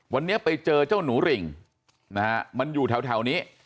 วันนี้ไปเจอเจ้าหนูหลิ่งนะฮะมันอยู่แถวนี้